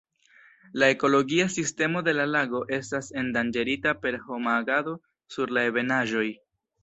La ekologia sistemo de la lago estas endanĝerita per homa agado sur la ebenaĵoj.